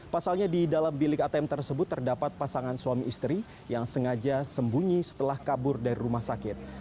pasalnya di dalam bilik atm tersebut terdapat pasangan suami istri yang sengaja sembunyi setelah kabur dari rumah sakit